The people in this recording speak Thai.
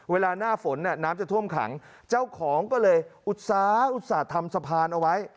เวลาหน้าฝนน้ำจะท่วมขังเจ้าของก็เลยอุตสาอุตส่าห์ทำสะพานเอาไว้